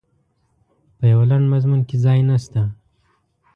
په یوه لنډ مضمون کې ځای نسته.